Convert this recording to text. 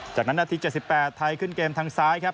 จากนั้นนาที๗๘ไทยขึ้นเกมทางซ้ายครับ